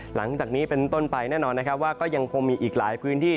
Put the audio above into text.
หลังจากนี้เป็นต้นไปแน่นอนนะครับว่าก็ยังคงมีอีกหลายพื้นที่